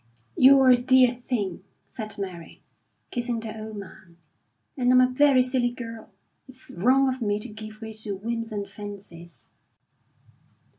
"You're a dear thing," said Mary, kissing the old man, "and I'm a very silly girl. It's wrong of me to give way to whims and fancies."